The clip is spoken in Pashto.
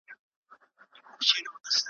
خو چي څو ورځي څپېړي پر مخ وخوري `